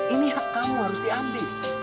ini hak kamu harus diambil